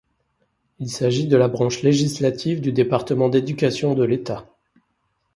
Il s'agit de la branche législative du Département d'Éducation de l'État.